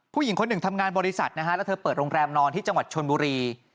ผู้หญิงคนหนึ่งทำงานบริษัทนะฮะแล้วเธอเปิดโรงแรมนอนที่จังหวัดชนบุรี